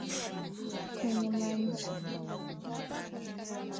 lenye maandishi kuzaliwa kwa furaha